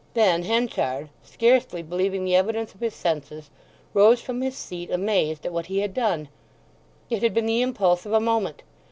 Then Henchard, scarcely believing the evidence of his senses, rose from his seat amazed at what he had done. It had been the impulse of a moment.